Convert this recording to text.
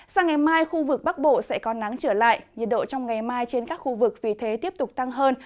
sang ngày mai khu vực bắc bộ sẽ có nắng trở lại nhiệt độ trong ngày mai trên các khu vực vì thế tiếp tục tăng hơn